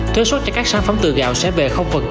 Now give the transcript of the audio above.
thuế xuất cho các sản phẩm từ gạo sẽ về